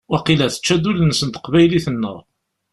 Waqila tečča-d ul-nsen teqbaylit-nneɣ.